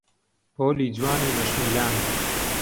پۆلی جوان و نەشمیلان